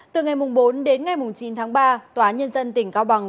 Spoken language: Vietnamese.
từ ngày mùng bốn đến ngày mùng chín tháng ba tòa nhân dân tỉnh cao bằng